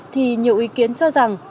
thì nhiều ý kiến cho rằng